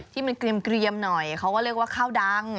ที่มันเกลียมหน่อยเขาก็เรียกว่าข้าวดัง